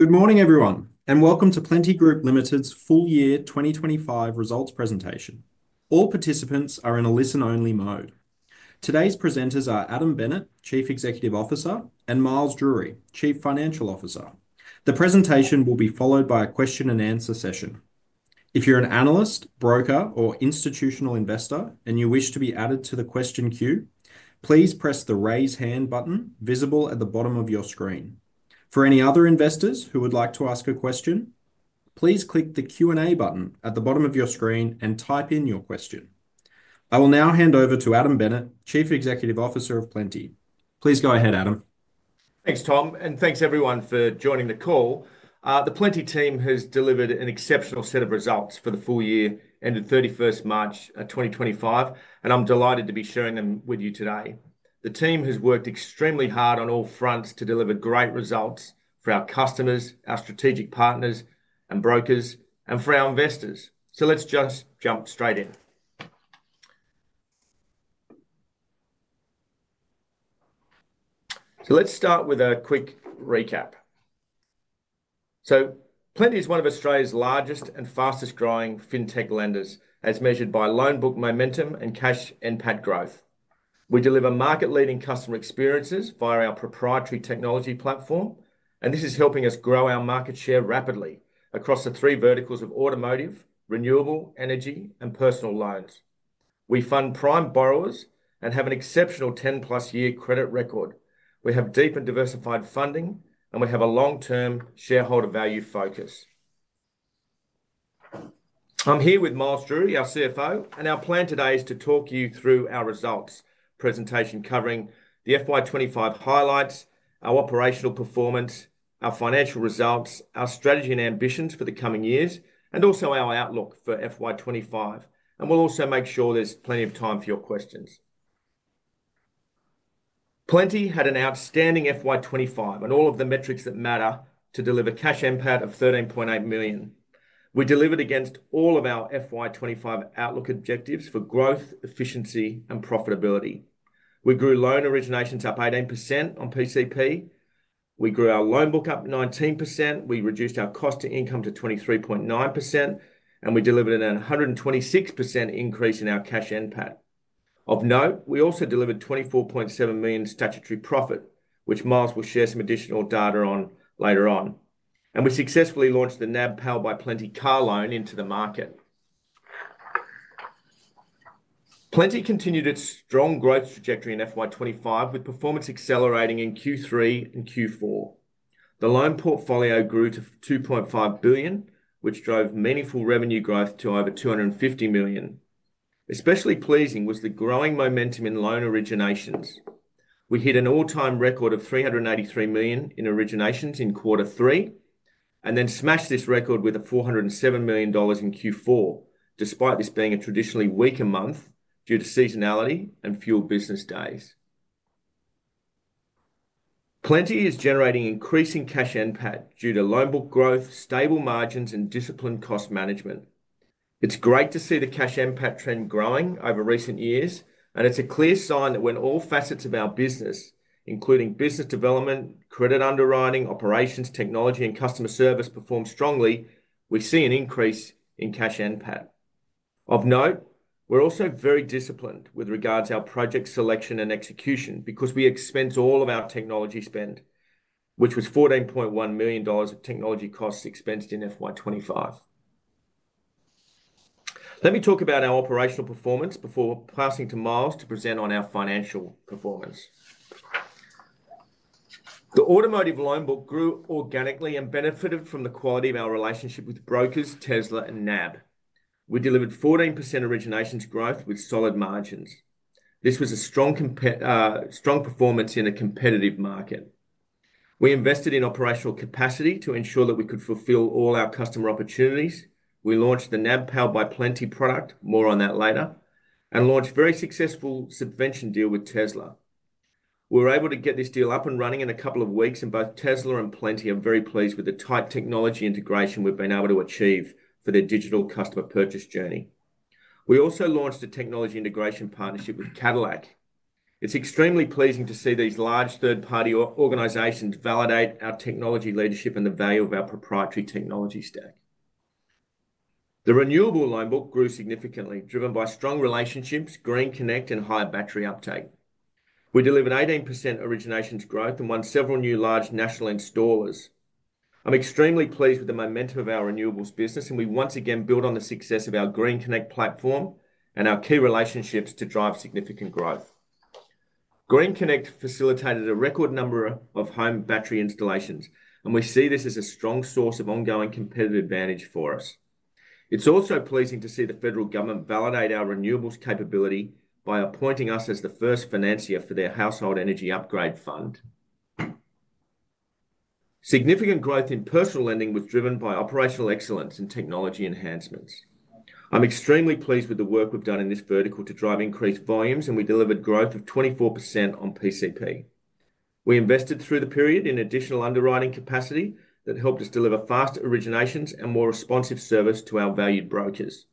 Good morning, everyone, and welcome to Plenti Group Limited's full year 2025 results presentation. All participants are in a listen-only mode. Today's presenters are Adam Bennett, Chief Executive Officer, and Miles Drury, Chief Financial Officer. The presentation will be followed by a question-and-answer session. If you're an analyst, broker, or institutional investor, and you wish to be added to the question queue, please press the raise hand button visible at the bottom of your screen. For any other investors who would like to ask a question, please click the Q&A button at the bottom of your screen and type in your question. I will now hand over to Adam Bennett, Chief Executive Officer of Plenti. Please go ahead, Adam. Thanks, Tom, and thanks, everyone, for joining the call. The Plenti team has delivered an exceptional set of results for the full year ended 31 March 2025, and I'm delighted to be sharing them with you today. The team has worked extremely hard on all fronts to deliver great results for our customers, our strategic partners, and brokers, and for our investors. Let's just jump straight in. Let's start with a quick recap. Plenti is one of Australia's largest and fastest-growing fintech lenders, as measured by loan book momentum and cash and pad growth. We deliver market-leading customer experiences via our proprietary technology platform, and this is helping us grow our market share rapidly across the three verticals of automotive, renewable energy, and personal loans. We fund prime borrowers and have an exceptional 10-plus year credit record. We have deep and diversified funding, and we have a long-term shareholder value focus. I'm here with Miles Drury, our CFO, and our plan today is to talk you through our results presentation covering the FY25 highlights, our operational performance, our financial results, our strategy and ambitions for the coming years, and also our outlook for FY25. We will also make sure there's plenty of time for your questions. Plenti had an outstanding FY25 and all of the metrics that matter to deliver cash impact of 13.8 million. We delivered against all of our FY25 outlook objectives for growth, efficiency, and profitability. We grew loan originations up 18% on PCP. We grew our loan book up 19%. We reduced our cost to income to 23.9%, and we delivered a 126% increase in our cash impact. Of note, we also delivered 24.7 million statutory profit, which Miles will share some additional data on later on. We successfully launched the NAB powered by Plenti car loan into the market. Plenti continued its strong growth trajectory in FY2025, with performance accelerating in Q3 and Q4. The loan portfolio grew to 2.5 billion, which drove meaningful revenue growth to over 250 million. Especially pleasing was the growing momentum in loan originations. We hit an all-time record of 383 million in originations in quarter three and then smashed this record with 407 million dollars in Q4, despite this being a traditionally weaker month due to seasonality and fewer business days. Plenti is generating increasing cash impact due to loan book growth, stable margins, and disciplined cost management. It's great to see the cash impact trend growing over recent years, and it's a clear sign that when all facets of our business, including business development, credit underwriting, operations, technology, and customer service, perform strongly, we see an increase in cash impact. Of note, we're also very disciplined with regards to our project selection and execution because we expense all of our technology spend, which was 14.1 million dollars of technology costs expensed in FY25. Let me talk about our operational performance before passing to Miles to present on our financial performance. The automotive loan book grew organically and benefited from the quality of our relationship with brokers, Tesla, and NAB. We delivered 14% originations growth with solid margins. This was a strong performance in a competitive market. We invested in operational capacity to ensure that we could fulfill all our customer opportunities. We launched the NAB powered by Plenti product, more on that later, and launched a very successful subvention deal with Tesla. We were able to get this deal up and running in a couple of weeks, and both Tesla and Plenti are very pleased with the tight technology integration we've been able to achieve for their digital customer purchase journey. We also launched a technology integration partnership with Cadillac. It's extremely pleasing to see these large third-party organizations validate our technology leadership and the value of our proprietary technology stack. The renewable loan book grew significantly, driven by strong relationships, Green Connect, and higher battery uptake. We delivered 18% originations growth and won several new large national installers. I'm extremely pleased with the momentum of our renewables business, and we once again built on the success of our Green Connect platform and our key relationships to drive significant growth. Green Connect facilitated a record number of home battery installations, and we see this as a strong source of ongoing competitive advantage for us. It's also pleasing to see the federal government validate our renewables capability by appointing us as the first financier for their household energy upgrade fund. Significant growth in personal lending was driven by operational excellence and technology enhancements. I'm extremely pleased with the work we've done in this vertical to drive increased volumes, and we delivered growth of 24% on PCP. We invested through the period in additional underwriting capacity that helped us deliver faster originations and more responsive service to our valued brokers.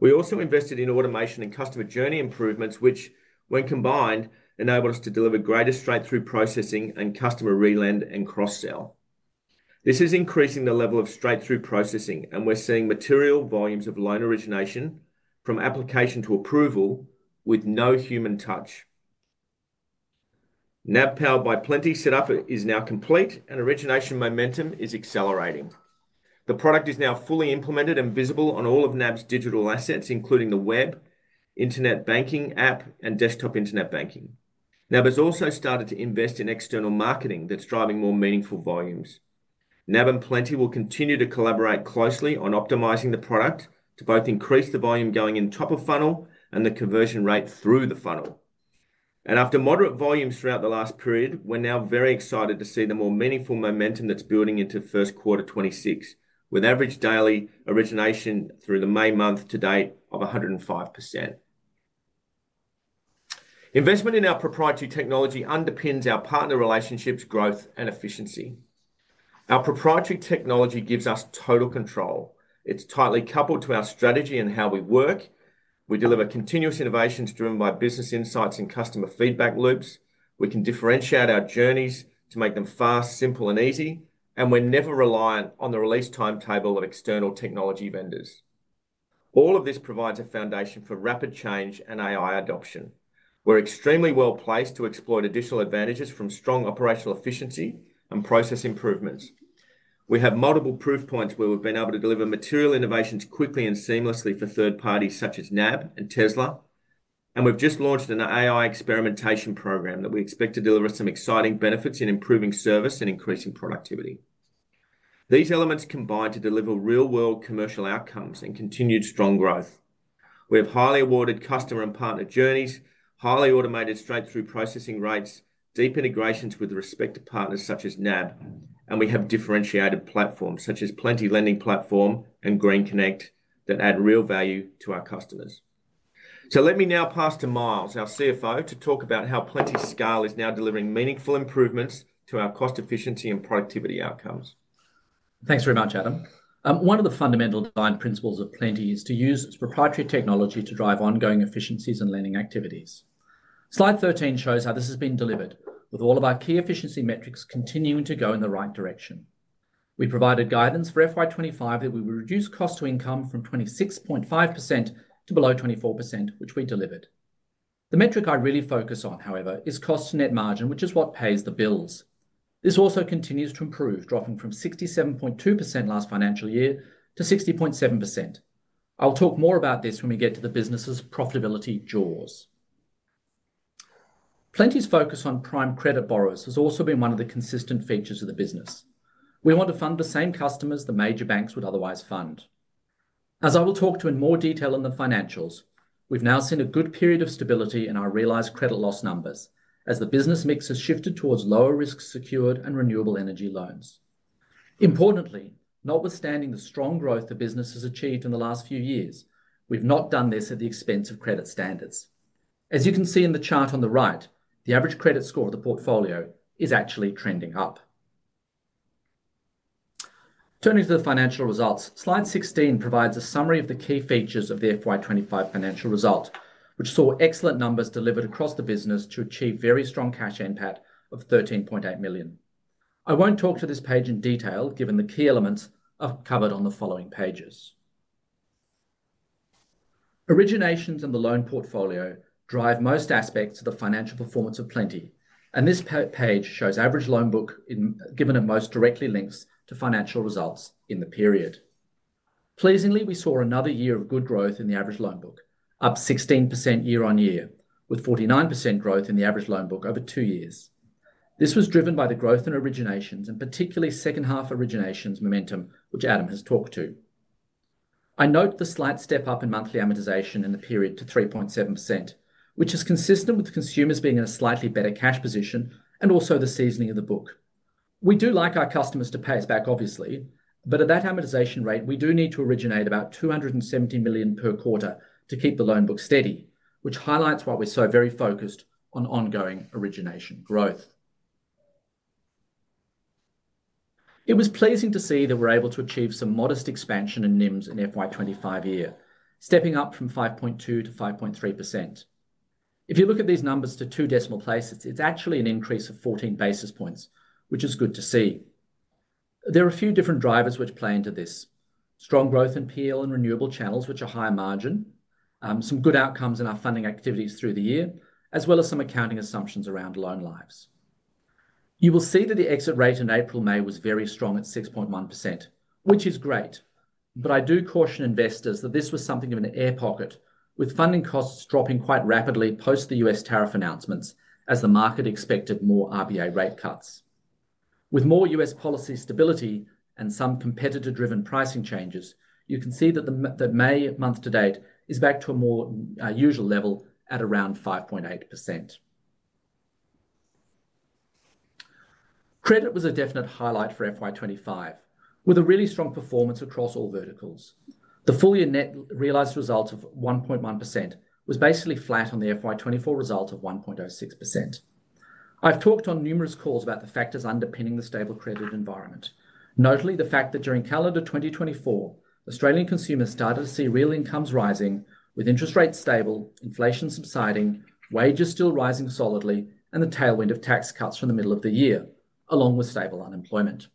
We also invested in automation and customer journey improvements, which, when combined, enabled us to deliver greater straight-through processing and customer re-lend and cross-sell. This is increasing the level of straight-through processing, and we're seeing material volumes of loan origination from application to approval with no human touch. NAB powered by Plenti setup is now complete, and origination momentum is accelerating. The product is now fully implemented and visible on all of NAB's digital assets, including the web, internet banking app, and desktop internet banking. NAB has also started to invest in external marketing that's driving more meaningful volumes. NAB and Plenti will continue to collaborate closely on optimizing the product to both increase the volume going in top of funnel and the conversion rate through the funnel. After moderate volumes throughout the last period, we're now very excited to see the more meaningful momentum that's building into Q1 26, with average daily origination through the May month to date of 105%. Investment in our proprietary technology underpins our partner relationships, growth, and efficiency. Our proprietary technology gives us total control. It's tightly coupled to our strategy and how we work. We deliver continuous innovations driven by business insights and customer feedback loops. We can differentiate our journeys to make them fast, simple, and easy, and we're never reliant on the release timetable of external technology vendors. All of this provides a foundation for rapid change and AI adoption. We're extremely well placed to exploit additional advantages from strong operational efficiency and process improvements. We have multiple proof points where we've been able to deliver material innovations quickly and seamlessly for third parties such as NAB and Tesla, and we've just launched an AI experimentation program that we expect to deliver some exciting benefits in improving service and increasing productivity. These elements combine to deliver real-world commercial outcomes and continued strong growth. We have highly awarded customer and partner journeys, highly automated straight-through processing rates, deep integrations with respective partners such as NAB, and we have differentiated platforms such as Plenti lending platform and Green Connect that add real value to our customers. Let me now pass to Miles, our CFO, to talk about how Plenti scale is now delivering meaningful improvements to our cost efficiency and productivity outcomes. Thanks very much, Adam. One of the fundamental design principles of Plenti is to use its proprietary technology to drive ongoing efficiencies and lending activities. Slide 13 shows how this has been delivered, with all of our key efficiency metrics continuing to go in the right direction. We provided guidance for FY25 that we would reduce cost to income from 26.5% to below 24%, which we delivered. The metric I really focus on, however, is cost to net margin, which is what pays the bills. This also continues to improve, dropping from 67.2% last financial year to 60.7%. I'll talk more about this when we get to the business's profitability jaws. Plenti's focus on prime credit borrowers has also been one of the consistent features of the business. We want to fund the same customers the major banks would otherwise fund. As I will talk to in more detail in the financials, we've now seen a good period of stability in our realized credit loss numbers as the business mix has shifted towards lower risk secured and renewable energy loans. Importantly, notwithstanding the strong growth the business has achieved in the last few years, we've not done this at the expense of credit standards. As you can see in the chart on the right, the average credit score of the portfolio is actually trending up. Turning to the financial results, slide 16 provides a summary of the key features of the FY2025 financial result, which saw excellent numbers delivered across the business to achieve very strong cash impact of 13.8 million. I won't talk to this page in detail given the key elements I've covered on the following pages. Originations and the loan portfolio drive most aspects of the financial performance of Plenti, and this page shows average loan book given it most directly links to financial results in the period. Pleasingly, we saw another year of good growth in the average loan book, up 16% year on year, with 49% growth in the average loan book over two years. This was driven by the growth in originations and particularly second-half originations momentum, which Adam has talked to. I note the slight step up in monthly amortization in the period to 3.7%, which is consistent with consumers being in a slightly better cash position and also the seasoning of the book. We do like our customers to pay us back, obviously, but at that amortization rate, we do need to originate about 270 million per quarter to keep the loan book steady, which highlights why we're so very focused on ongoing origination growth. It was pleasing to see that we're able to achieve some modest expansion in NIMs in the FY25 year, stepping up from 5.2% to 5.3%. If you look at these numbers to two decimal places, it's actually an increase of 14 basis points, which is good to see. There are a few different drivers which play into this: strong growth in PL and renewable channels, which are high margin, some good outcomes in our funding activities through the year, as well as some accounting assumptions around loan lives. You will see that the exit rate in April-May was very strong at 6.1%, which is great, but I do caution investors that this was something of an air pocket with funding costs dropping quite rapidly post the U.S. tariff announcements as the market expected more RBA rate cuts. With more U.S. policy stability and some competitor-driven pricing changes, you can see that the May month to date is back to a more usual level at around 5.8%. Credit was a definite highlight for FY25, with a really strong performance across all verticals. The full-year net realized result of 1.1% was basically flat on the FY24 result of 1.06%. I've talked on numerous calls about the factors underpinning the stable credit environment, notably the fact that during calendar 2024, Australian consumers started to see real incomes rising with interest rates stable, inflation subsiding, wages still rising solidly, and the tailwind of tax cuts from the middle of the year, along with stable unemployment.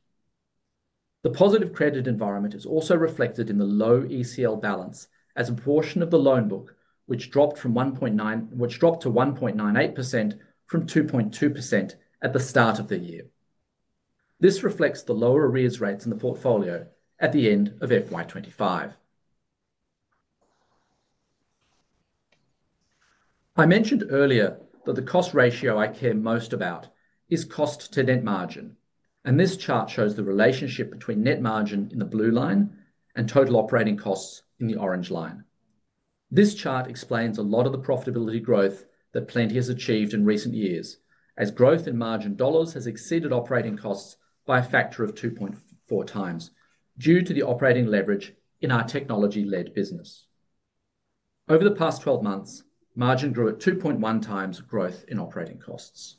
The positive credit environment is also reflected in the low ECL balance as a portion of the loan book, which dropped to 1.98% from 2.2% at the start of the year. This reflects the lower arrears rates in the portfolio at the end of FY25. I mentioned earlier that the cost ratio I care most about is cost to net margin, and this chart shows the relationship between net margin in the blue line and total operating costs in the orange line. This chart explains a lot of the profitability growth that Plenti has achieved in recent years as growth in margin dollars has exceeded operating costs by a factor of 2.4 times due to the operating leverage in our technology-led business. Over the past 12 months, margin grew at 2.1 times growth in operating costs.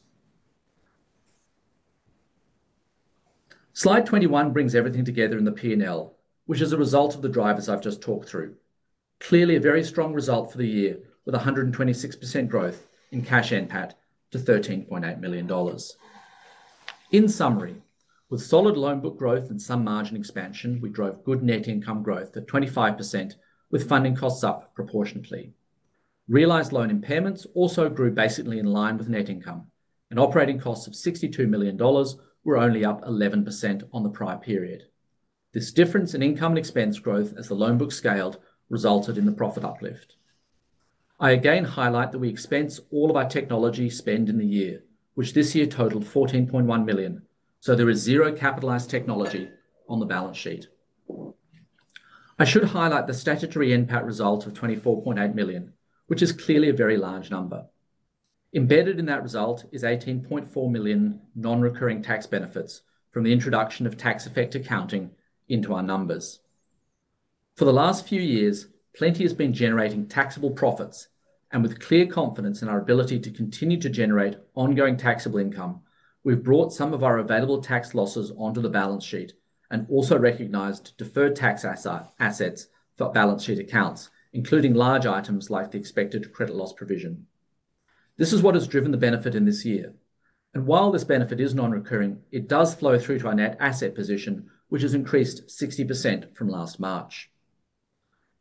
Slide 21 brings everything together in the P&L, which is a result of the drivers I've just talked through. Clearly, a very strong result for the year with 126% growth in cash impact to 13.8 million dollars. In summary, with solid loan book growth and some margin expansion, we drove good net income growth at 25% with funding costs up proportionately. Realized loan impairments also grew basically in line with net income, and operating costs of 62 million dollars were only up 11% on the prior period. This difference in income and expense growth as the loan book scaled resulted in the profit uplift. I again highlight that we expense all of our technology spend in the year, which this year totaled 14.1 million, so there is zero capitalized technology on the balance sheet. I should highlight the statutory impact result of 24.8 million, which is clearly a very large number. Embedded in that result is 18.4 million non-recurring tax benefits from the introduction of tax-effective accounting into our numbers. For the last few years, Plenti has been generating taxable profits, and with clear confidence in our ability to continue to generate ongoing taxable income, we have brought some of our available tax losses onto the balance sheet and also recognized deferred tax assets for balance sheet accounts, including large items like the expected credit loss provision. This is what has driven the benefit in this year, and while this benefit is non-recurring, it does flow through to our net asset position, which has increased 60% from last March.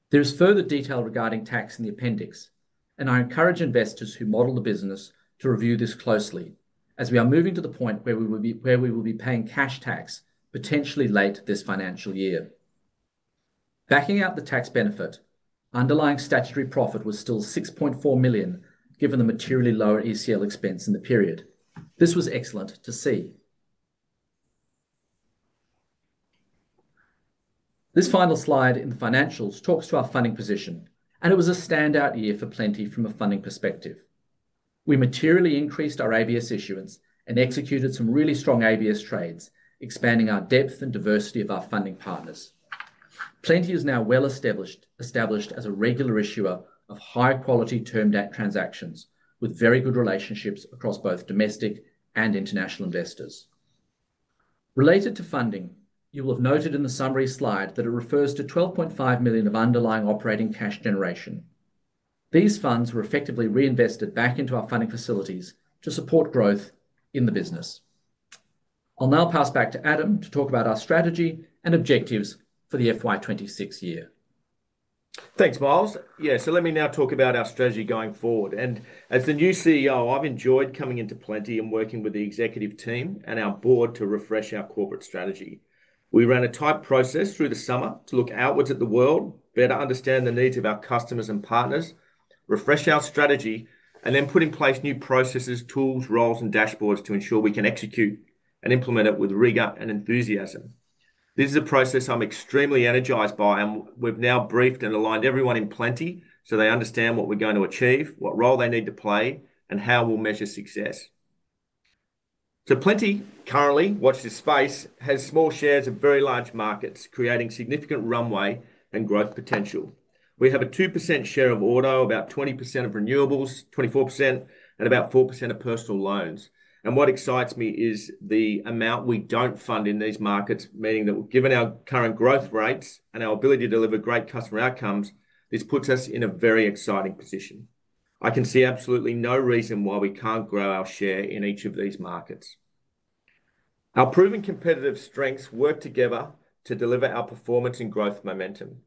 There is further detail regarding tax in the appendix, and I encourage investors who model the business to review this closely as we are moving to the point where we will be paying cash tax potentially late this financial year. Backing out the tax benefit, underlying statutory profit was still 6.4 million given the materially lower ECL expense in the period. This was excellent to see. This final slide in the financials talks to our funding position, and it was a standout year for Plenti from a funding perspective. We materially increased our ABS issuance and executed some really strong ABS trades, expanding our depth and diversity of our funding partners. Plenti is now well established as a regular issuer of high-quality term debt transactions with very good relationships across both domestic and international investors. Related to funding, you will have noted in the summary slide that it refers to 12.5 million of underlying operating cash generation. These funds were effectively reinvested back into our funding facilities to support growth in the business. I'll now pass back to Adam to talk about our strategy and objectives for the FY26 year. Thanks, Miles. Yeah, let me now talk about our strategy going forward. As the new CEO, I've enjoyed coming into Plenti and working with the executive team and our board to refresh our corporate strategy. We ran a tight process through the summer to look outwards at the world, better understand the needs of our customers and partners, refresh our strategy, and then put in place new processes, tools, roles, and dashboards to ensure we can execute and implement it with rigor and enthusiasm. This is a process I'm extremely energized by, and we've now briefed and aligned everyone in Plenti so they understand what we're going to achieve, what role they need to play, and how we'll measure success. Plenti currently, watch this space, has small shares of very large markets creating significant runway and growth potential. We have a 2% share of auto, about 20% of renewables, 24%, and about 4% of personal loans. What excites me is the amount we do not fund in these markets, meaning that given our current growth rates and our ability to deliver great customer outcomes, this puts us in a very exciting position. I can see absolutely no reason why we cannot grow our share in each of these markets. Our proven competitive strengths work together to deliver our performance and growth momentum.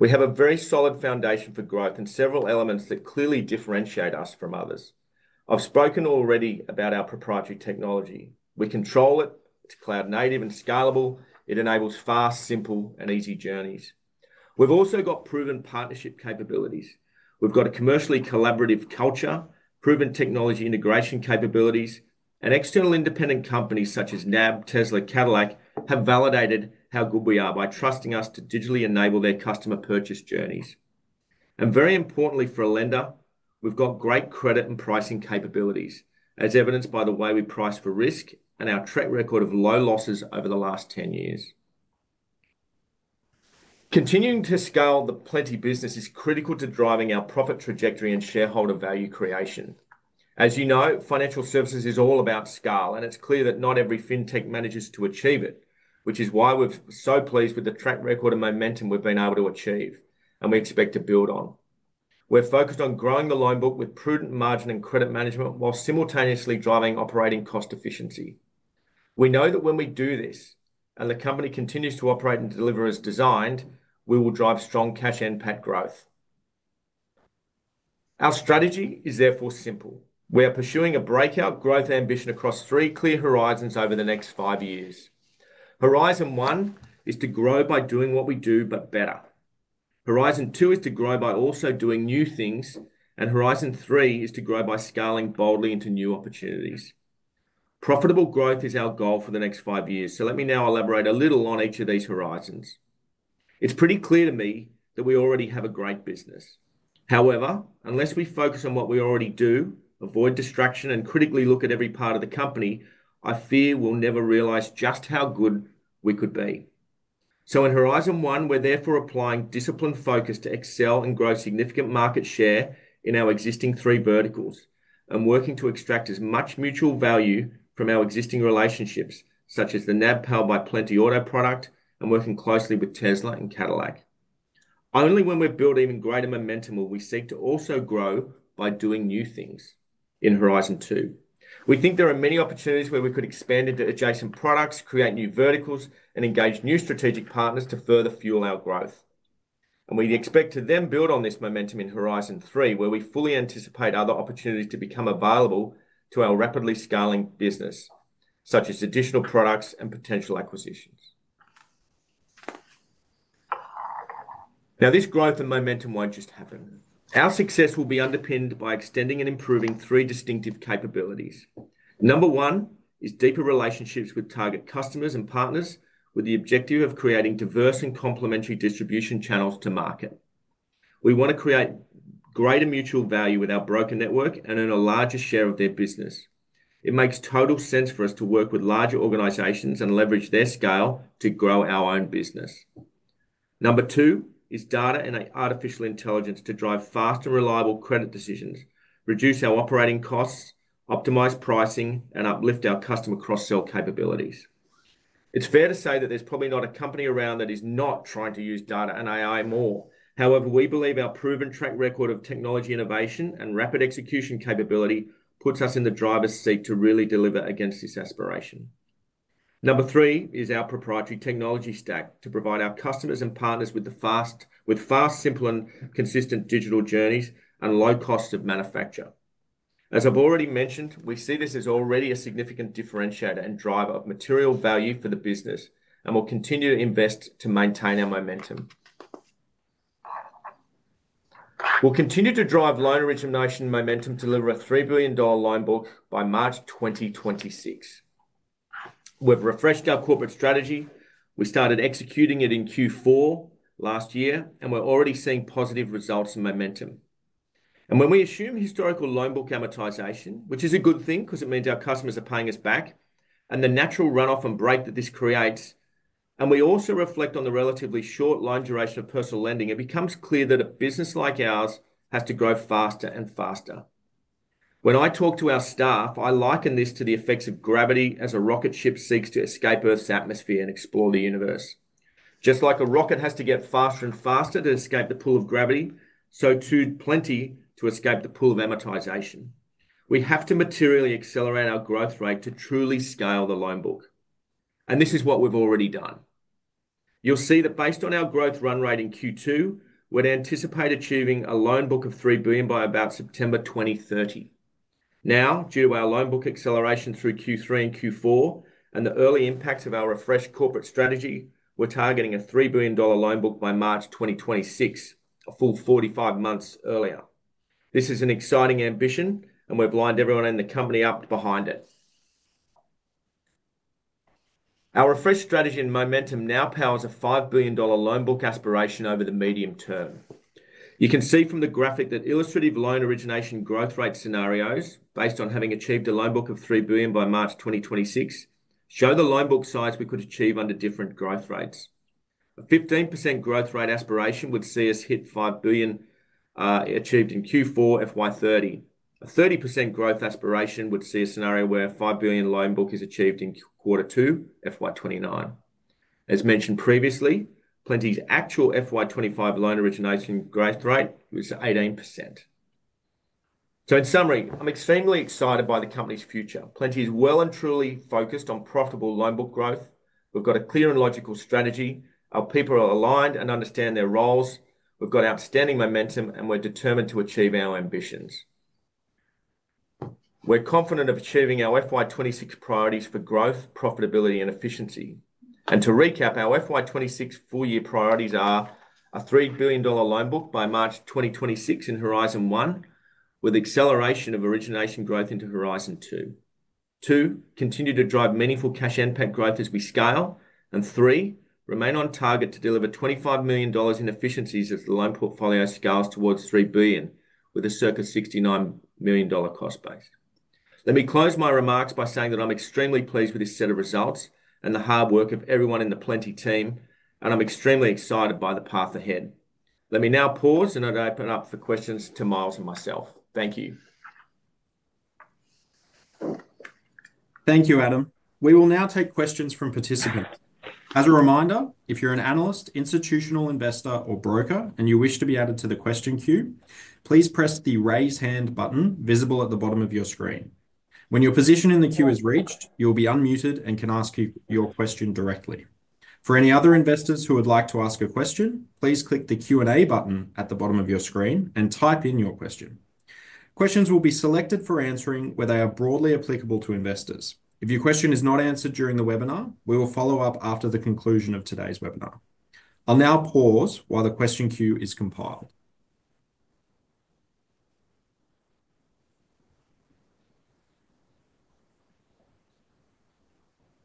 We have a very solid foundation for growth and several elements that clearly differentiate us from others. I have spoken already about our proprietary technology. We control it. It is cloud-native and scalable. It enables fast, simple, and easy journeys. We have also got proven partnership capabilities. We've got a commercially collaborative culture, proven technology integration capabilities, and external independent companies such as NAB, Tesla, Cadillac have validated how good we are by trusting us to digitally enable their customer purchase journeys. Very importantly for a lender, we've got great credit and pricing capabilities, as evidenced by the way we price for risk and our track record of low losses over the last 10 years. Continuing to scale the Plenti business is critical to driving our profit trajectory and shareholder value creation. As you know, financial services is all about scale, and it's clear that not every fintech manages to achieve it, which is why we're so pleased with the track record and momentum we've been able to achieve, and we expect to build on. We're focused on growing the loan book with prudent margin and credit management while simultaneously driving operating cost efficiency. We know that when we do this and the company continues to operate and deliver as designed, we will drive strong cash impact growth. Our strategy is therefore simple. We are pursuing a breakout growth ambition across three clear horizons over the next five years. Horizon one is to grow by doing what we do, but better. Horizon two is to grow by also doing new things, and horizon three is to grow by scaling boldly into new opportunities. Profitable growth is our goal for the next five years, so let me now elaborate a little on each of these horizons. It's pretty clear to me that we already have a great business. However, unless we focus on what we already do, avoid distraction, and critically look at every part of the company, I fear we'll never realize just how good we could be. In horizon one, we're therefore applying discipline focus to excel and grow significant market share in our existing three verticals and working to extract as much mutual value from our existing relationships, such as the NAB powered by Plenti auto product and working closely with Tesla and Cadillac. Only when we build even greater momentum will we seek to also grow by doing new things in horizon two. We think there are many opportunities where we could expand into adjacent products, create new verticals, and engage new strategic partners to further fuel our growth. We expect to then build on this momentum in horizon three, where we fully anticipate other opportunities to become available to our rapidly scaling business, such as additional products and potential acquisitions. This growth and momentum will not just happen. Our success will be underpinned by extending and improving three distinctive capabilities. Number one is deeper relationships with target customers and partners with the objective of creating diverse and complementary distribution channels to market. We want to create greater mutual value with our broker network and earn a larger share of their business. It makes total sense for us to work with larger organizations and leverage their scale to grow our own business. Number two is data and artificial intelligence to drive fast and reliable credit decisions, reduce our operating costs, optimize pricing, and uplift our customer cross-sell capabilities. It's fair to say that there's probably not a company around that is not trying to use data and AI more. However, we believe our proven track record of technology innovation and rapid execution capability puts us in the driver's seat to really deliver against this aspiration. Number three is our proprietary technology stack to provide our customers and partners with fast, simple, and consistent digital journeys and low cost of manufacture. As I've already mentioned, we see this as already a significant differentiator and driver of material value for the business and will continue to invest to maintain our momentum. We will continue to drive loan origination momentum to deliver a 3 billion dollar loan book by March 2026. We have refreshed our corporate strategy. We started executing it in Q4 last year, and we are already seeing positive results and momentum. When we assume historical loan book amortization, which is a good thing because it means our customers are paying us back, and the natural run-off and break that this creates, and we also reflect on the relatively short loan duration of personal lending, it becomes clear that a business like ours has to grow faster and faster. When I talk to our staff, I liken this to the effects of gravity as a rocket ship seeks to escape Earth's atmosphere and explore the universe. Just like a rocket has to get faster and faster to escape the pull of gravity, so too Plenti to escape the pull of amortization. We have to materially accelerate our growth rate to truly scale the loan book, and this is what we've already done. You'll see that based on our growth run rate in Q2, we'd anticipate achieving a loan book of 3 billion by about September 2030. Now, due to our loan book acceleration through Q3 and Q4 and the early impacts of our refreshed corporate strategy, we're targeting a 3 billion dollar loan book by March 2026, a full 45 months earlier. This is an exciting ambition, and we've lined everyone in the company up behind it. Our refreshed strategy and momentum now powers a 5 billion dollar loan book aspiration over the medium term. You can see from the graphic that illustrative loan origination growth rate scenarios based on having achieved a loan book of 3 billion by March 2026 show the loan book size we could achieve under different growth rates. A 15% growth rate aspiration would see us hit 5 billion achieved in Q4, FY30. A 30% growth aspiration would see a scenario where a 5 billion loan book is achieved in Q2, FY29. As mentioned previously, Plenti's actual FY25 loan origination growth rate was 18%. In summary, I'm extremely excited by the company's future. Plenti is well and truly focused on profitable loan book growth. We've got a clear and logical strategy. Our people are aligned and understand their roles. We've got outstanding momentum, and we're determined to achieve our ambitions. We're confident of achieving our FY26 priorities for growth, profitability, and efficiency. To recap, our FY26 full year priorities are a 3 billion dollar loan book by March 2026 in horizon one with acceleration of origination growth into horizon two. Two, continue to drive meaningful cash impact growth as we scale. Three, remain on target to deliver 25 million dollars in efficiencies as the loan portfolio scales towards 3 billion with a circa 69 million dollar cost base. Let me close my remarks by saying that I'm extremely pleased with this set of results and the hard work of everyone in the Plenti team, and I'm extremely excited by the path ahead. Let me now pause, and I'd open up for questions to Miles and myself. Thank you. Thank you, Adam. We will now take questions from participants. As a reminder, if you're an analyst, institutional investor, or broker, and you wish to be added to the question queue, please press the raise hand button visible at the bottom of your screen. When your position in the queue is reached, you'll be unmuted and can ask your question directly. For any other investors who would like to ask a question, please click the Q&A button at the bottom of your screen and type in your question. Questions will be selected for answering where they are broadly applicable to investors. If your question is not answered during the webinar, we will follow up after the conclusion of today's webinar. I'll now pause while the question queue is compiled.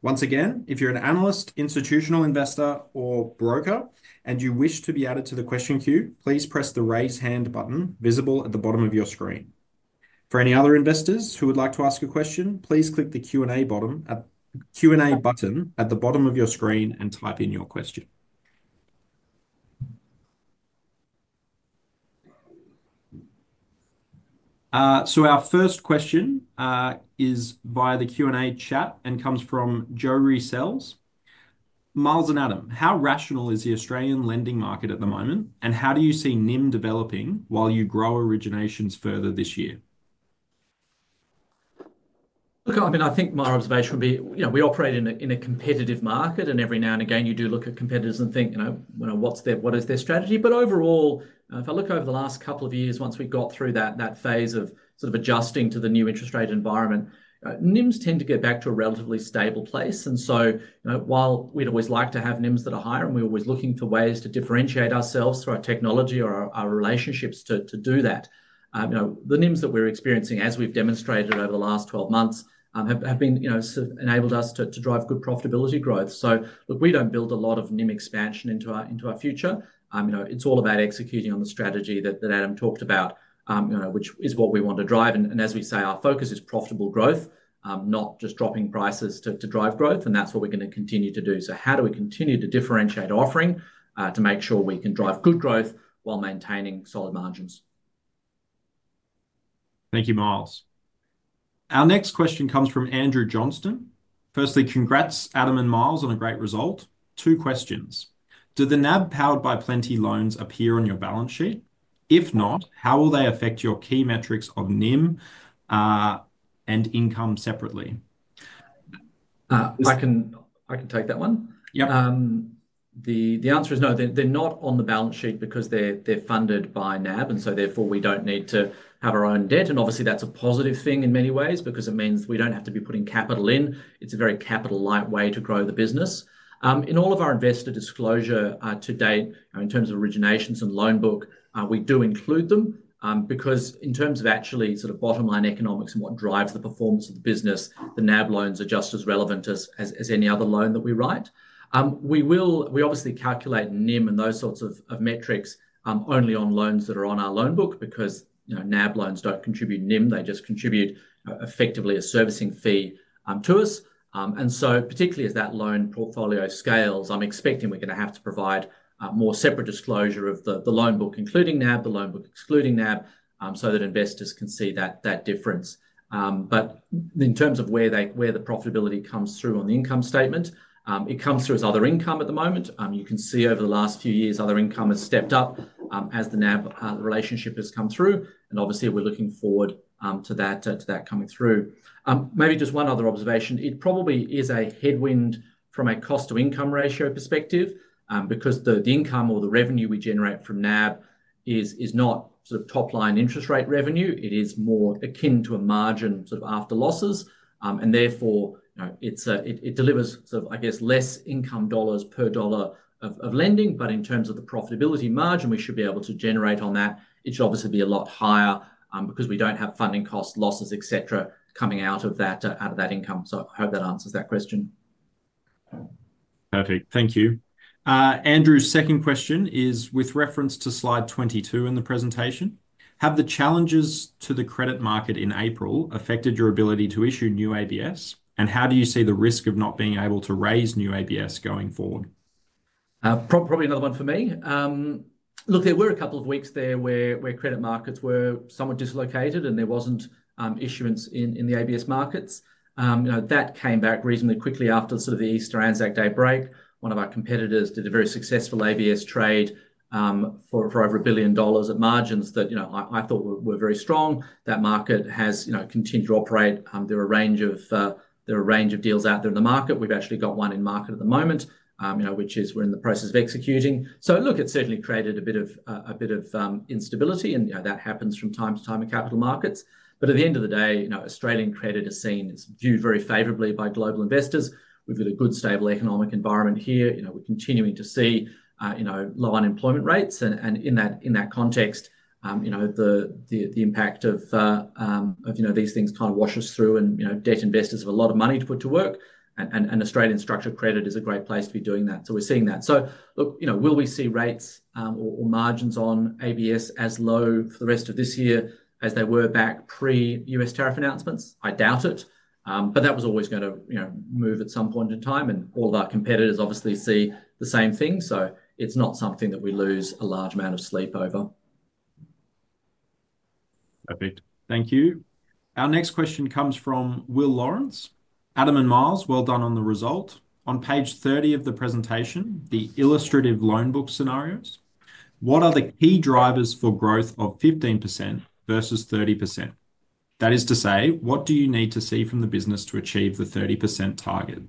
Once again, if you're an analyst, institutional investor, or broker, and you wish to be added to the question queue, please press the raise hand button visible at the bottom of your screen. For any other investors who would like to ask a question, please click the Q&A button at the bottom of your screen and type in your question. Our first question is via the Q&A chat and comes from Joe Resells. Miles and Adam, how rational is the Australian lending market at the moment, and how do you see NIM developing while you grow originations further this year? Look, I mean, I think my observation would be, you know, we operate in a competitive market, and every now and again, you do look at competitors and think, you know, what's their, what is their strategy? But overall, if I look over the last couple of years, once we've got through that phase of sort of adjusting to the new interest rate environment, NIMs tend to get back to a relatively stable place. And while we'd always like to have NIMs that are higher, and we're always looking for ways to differentiate ourselves through our technology or our relationships to do that, the NIMs that we're experiencing, as we've demonstrated over the last 12 months, have enabled us to drive good profitability growth. Look, we don't build a lot of NIM expansion into our future. It's all about executing on the strategy that Adam talked about, which is what we want to drive. As we say, our focus is profitable growth, not just dropping prices to drive growth, and that's what we're going to continue to do. How do we continue to differentiate offering to make sure we can drive good growth while maintaining solid margins? Thank you, Miles. Our next question comes from Andrew Johnston. Firstly, congrats, Adam and Miles, on a great result. Two questions. Do the NAB powered by Plenti loans appear on your balance sheet? If not, how will they affect your key metrics of NIM and income separately? I can take that one. Yep. The answer is no. They're not on the balance sheet because they're funded by NAB, and therefore we don't need to have our own debt. Obviously, that's a positive thing in many ways because it means we don't have to be putting capital in. It's a very capital-light way to grow the business. In all of our investor disclosure to date, in terms of originations and loan book, we do include them because in terms of actually sort of bottom line economics and what drives the performance of the business, the NAB loans are just as relevant as any other loan that we write. We obviously calculate NIM and those sorts of metrics only on loans that are on our loan book because NAB loans don't contribute NIM. They just contribute effectively a servicing fee to us. Particularly as that loan portfolio scales, I'm expecting we're going to have to provide more separate disclosure of the loan book, including NAB, the loan book excluding NAB, so that investors can see that difference. In terms of where the profitability comes through on the income statement, it comes through as other income at the moment. You can see over the last few years, other income has stepped up as the NAB relationship has come through. Obviously, we're looking forward to that coming through. Maybe just one other observation. It probably is a headwind from a cost-to-income ratio perspective because the income or the revenue we generate from NAB is not sort of top-line interest rate revenue. It is more akin to a margin sort of after losses. Therefore, it delivers, I guess, less income dollars per dollar of lending. In terms of the profitability margin, we should be able to generate on that. It should obviously be a lot higher because we do not have funding costs, losses, et cetera, coming out of that income. I hope that answers that question. Perfect. Thank you. Andrew's second question is with reference to slide 22 in the presentation. Have the challenges to the credit market in April affected your ability to issue new ABS? How do you see the risk of not being able to raise new ABS going forward? Probably another one for me. Look, there were a couple of weeks there where credit markets were somewhat dislocated and there was not issuance in the ABS markets. That came back reasonably quickly after sort of the Easter ANZAC Day break. One of our competitors did a very successful ABS trade for over 1 billion dollars at margins that I thought were very strong. That market has continued to operate. There are a range of deals out there in the market. We have actually got one in market at the moment, which is we are in the process of executing. Look, it certainly created a bit of instability, and that happens from time to time in capital markets. At the end of the day, Australian credit is seen, is viewed very favorably by global investors. We have got a good stable economic environment here. We are continuing to see low unemployment rates. In that context, the impact of these things kind of washes through, and debt investors have a lot of money to put to work, and Australian structured credit is a great place to be doing that. We're seeing that. Will we see rates or margins on ABS as low for the rest of this year as they were back pre-US tariff announcements? I doubt it. That was always going to move at some point in time, and all of our competitors obviously see the same thing. It's not something that we lose a large amount of sleep over. Perfect. Thank you. Our next question comes from Will Lawrence. Adam and Miles, well done on the result. On page 30 of the presentation, the illustrative loan book scenarios, what are the key drivers for growth of 15% versus 30%? That is to say, what do you need to see from the business to achieve the 30% target?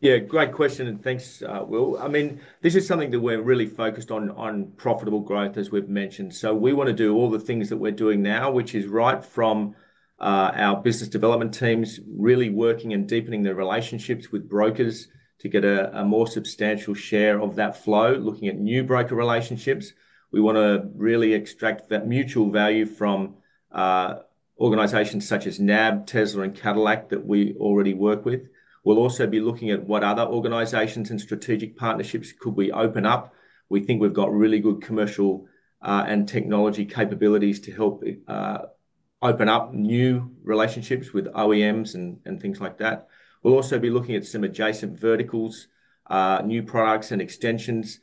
Yeah, great question, and thanks, Will. I mean, this is something that we're really focused on, on profitable growth, as we've mentioned. We want to do all the things that we're doing now, which is right from our business development teams really working and deepening their relationships with brokers to get a more substantial share of that flow, looking at new broker relationships. We want to really extract that mutual value from organizations such as NAB, Tesla, and Cadillac that we already work with. We'll also be looking at what other organizations and strategic partnerships could we open up. We think we've got really good commercial and technology capabilities to help open up new relationships with OEMs and things like that. We'll also be looking at some adjacent verticals, new products and extensions,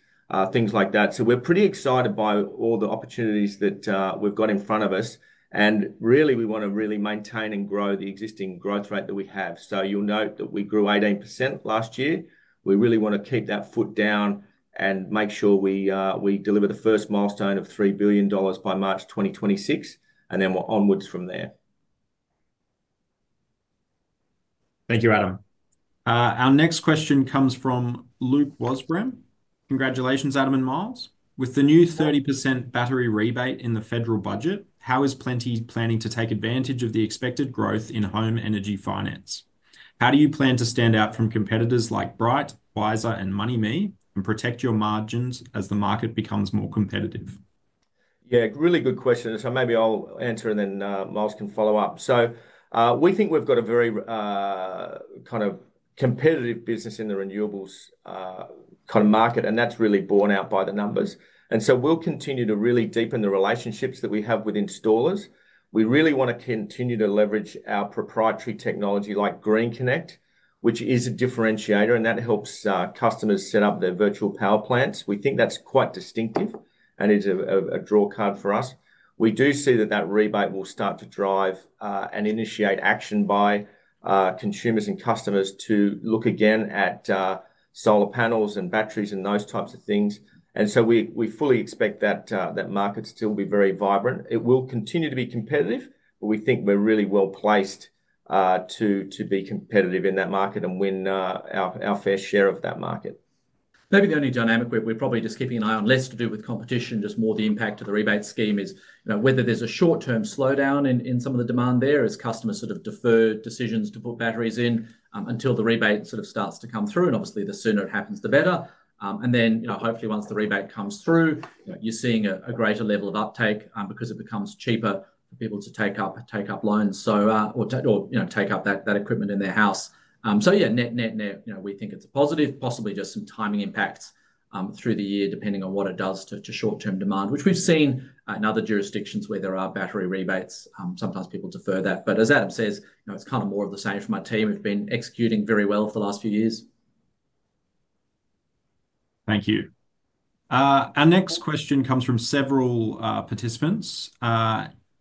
things like that. We're pretty excited by all the opportunities that we've got in front of us. We want to really maintain and grow the existing growth rate that we have. You'll note that we grew 18% last year. We really want to keep that foot down and make sure we deliver the first milestone of 3 billion dollars by March 2026, and then we're onwards from there. Thank you, Adam. Our next question comes from Luke Wosbrum. Congratulations, Adam and Miles. With the new 30% battery rebate in the federal budget, how is Plenti planning to take advantage of the expected growth in home energy finance? How do you plan to stand out from competitors like Brighte, Wisr, and MoneyMe and protect your margins as the market becomes more competitive? Yeah, really good question. Maybe I'll answer, and then Miles can follow up. We think we've got a very kind of competitive business in the renewables kind of market, and that's really borne out by the numbers. We'll continue to really deepen the relationships that we have with installers. We really want to continue to leverage our proprietary technology like Green Connect, which is a differentiator, and that helps customers set up their virtual power plants. We think that's quite distinctive, and it's a drawcard for us. We do see that that rebate will start to drive and initiate action by consumers and customers to look again at solar panels and batteries and those types of things. We fully expect that market still will be very vibrant. It will continue to be competitive, but we think we're really well placed to be competitive in that market and win our fair share of that market. Maybe the only dynamic we're probably just keeping an eye on, less to do with competition, just more the impact of the rebate scheme, is whether there's a short-term slowdown in some of the demand there as customers sort of defer decisions to put batteries in until the rebate sort of starts to come through. Obviously, the sooner it happens, the better. Hopefully, once the rebate comes through, you're seeing a greater level of uptake because it becomes cheaper for people to take up loans or take up that equipment in their house. Yeah, net net, we think it's a positive, possibly just some timing impacts through the year depending on what it does to short-term demand, which we've seen in other jurisdictions where there are battery rebates. Sometimes people defer that. As Adam says, it's kind of more of the same from my team. We've been executing very well for the last few years. Thank you. Our next question comes from several participants.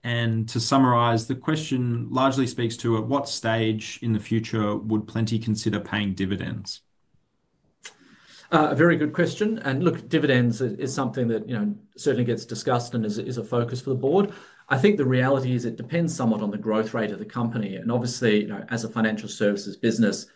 To summarize, the question largely speaks to at what stage in the future would Plenti consider paying dividends? A very good question. Dividends is something that certainly gets discussed and is a focus for the board. I think the reality is it depends somewhat on the growth rate of the company. Obviously, as a financial services business,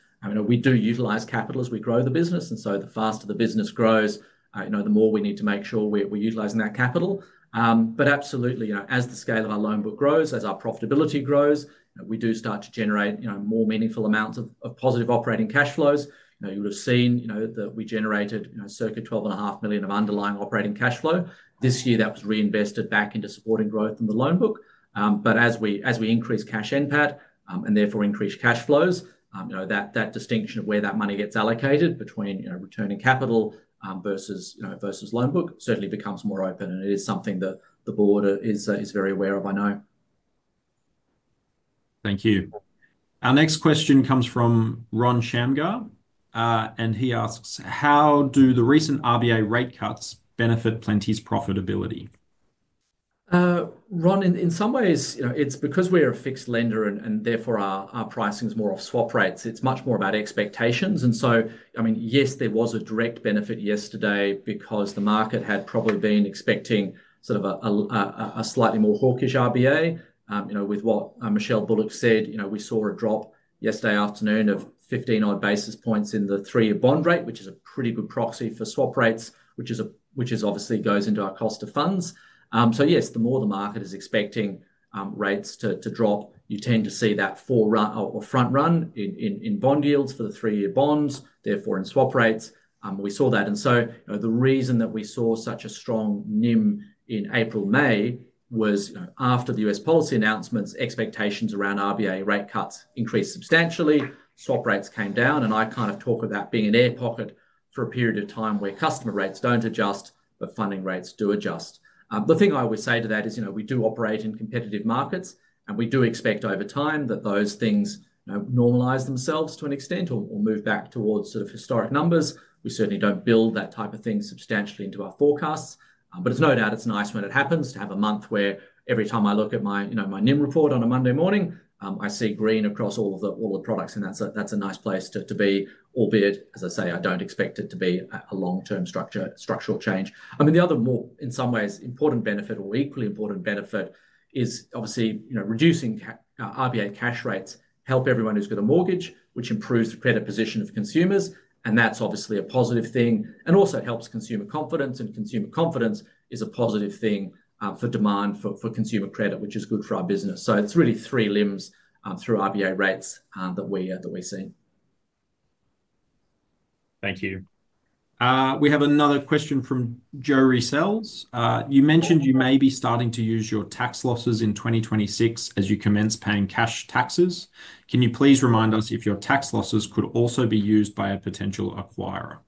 we do utilize capital as we grow the business. The faster the business grows, the more we need to make sure we're utilizing that capital. Absolutely, as the scale of our loan book grows, as our profitability grows, we do start to generate more meaningful amounts of positive operating cash flows. You would have seen that we generated circa 12.5 million of underlying operating cash flow. This year, that was reinvested back into supporting growth in the loan book. As we increase cash NPAT and therefore increase cash flows, that distinction of where that money gets allocated between returning capital versus loan book certainly becomes more open. It is something that the board is very aware of, I know. Thank you. Our next question comes from Ron Shamgar, and he asks, how do the recent RBA rate cuts benefit Plenti's profitability? Ron, in some ways, it's because we're a fixed lender and therefore our pricing is more off swap rates. It's much more about expectations. I mean, yes, there was a direct benefit yesterday because the market had probably been expecting sort of a slightly more hawkish RBA. With what Michelle Bullock said, we saw a drop yesterday afternoon of 15-odd basis points in the three-year bond rate, which is a pretty good proxy for swap rates, which obviously goes into our cost of funds. Yes, the more the market is expecting rates to drop, you tend to see that forerun or front run in bond yields for the three-year bonds, therefore in swap rates. We saw that. The reason that we saw such a strong NIM in April, May was after the US policy announcements, expectations around RBA rate cuts increased substantially, swap rates came down. I kind of talk about being an air pocket for a period of time where customer rates do not adjust, but funding rates do adjust. The thing I would say to that is we do operate in competitive markets, and we do expect over time that those things normalize themselves to an extent or move back towards sort of historic numbers. We certainly do not build that type of thing substantially into our forecasts. It is no doubt it is nice when it happens to have a month where every time I look at my NIM report on a Monday morning, I see green across all of the products. That's a nice place to be, albeit, as I say, I don't expect it to be a long-term structural change. I mean, the other more, in some ways, important benefit or equally important benefit is obviously reducing RBA cash rates helps everyone who's got a mortgage, which improves the credit position of consumers. That's obviously a positive thing. It also helps consumer confidence. Consumer confidence is a positive thing for demand for consumer credit, which is good for our business. It's really three limbs through RBA rates that we see. Thank you. We have another question from Jo Risells. You mentioned you may be starting to use your tax losses in 2026 as you commence paying cash taxes. Can you please remind us if your tax losses could also be used by a potential acquirer?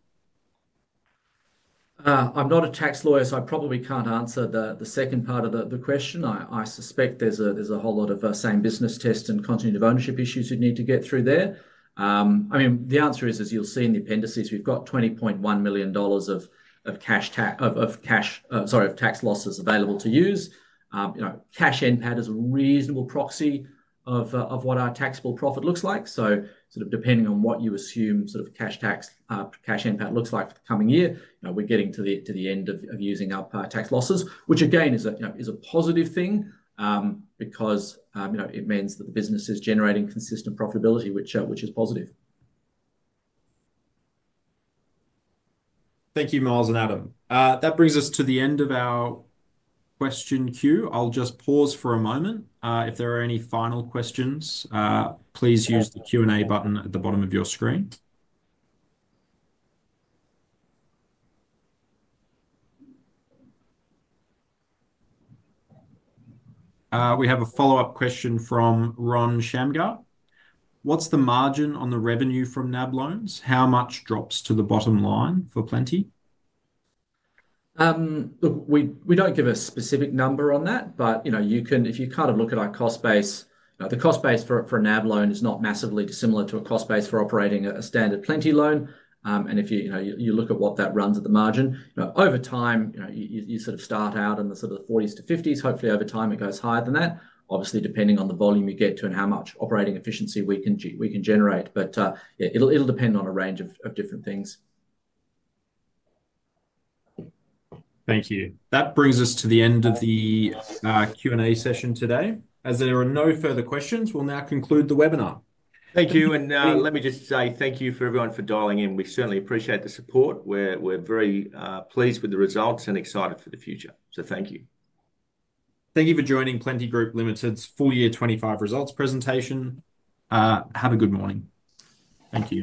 I'm not a tax lawyer, so I probably can't answer the second part of the question. I suspect there's a whole lot of same business test and continued ownership issues you'd need to get through there. I mean, the answer is, as you'll see in the appendices, we've got 20.1 million dollars of tax losses available to use. Cash NPAT is a reasonable proxy of what our taxable profit looks like. So sort of depending on what you assume sort of cash tax cash NPAT looks like for the coming year, we're getting to the end of using up tax losses, which again is a positive thing because it means that the business is generating consistent profitability, which is positive. Thank you, Miles and Adam. That brings us to the end of our question queue. I'll just pause for a moment. If there are any final questions, please use the Q&A button at the bottom of your screen. We have a follow-up question from Ron Shamgar. What's the margin on the revenue from NAB loans? How much drops to the bottom line for Plenti? Look, we do not give a specific number on that, but if you kind of look at our cost base, the cost base for a NAB loan is not massively dissimilar to a cost base for operating a standard Plenti loan. If you look at what that runs at the margin, over time, you sort of start out in the 40%-50%. Hopefully, over time, it goes higher than that, obviously depending on the volume you get to and how much operating efficiency we can generate. It will depend on a range of different things. Thank you. That brings us to the end of the Q&A session today. As there are no further questions, we'll now conclude the webinar. Thank you. Let me just say thank you for everyone for dialing in. We certainly appreciate the support. We are very pleased with the results and excited for the future. Thank you. Thank you for joining Plenti Group Limited's full year 2025 results presentation. Have a good morning. Thank you.